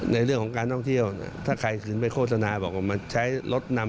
ในเรื่องของการท่องเที่ยวถ้าใครถึงไปโฆษณาบอกว่ามาใช้รถนำ